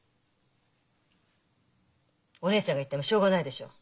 お姉ちゃんが言ってもしょうがないでしょう。